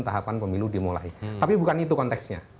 tahapan pemilu dimulai tapi bukan itu konteksnya